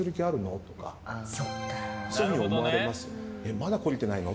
まだ懲りてないの？